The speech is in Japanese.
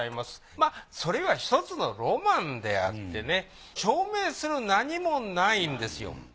まっそれが一つのロマンであってね証明する何もないんですよ。